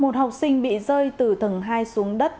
một học sinh bị rơi từ tầng hai xuống đất